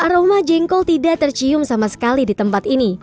aroma jengkol tidak tercium sama sekali di tempat ini